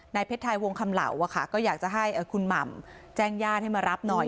เพชรไทยวงคำเหล่าก็อยากจะให้คุณหม่ำแจ้งญาติให้มารับหน่อย